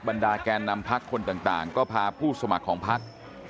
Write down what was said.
บรรดาแกนนำพักคนต่างก็พาผู้สมัครของพัก